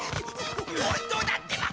本当だってば。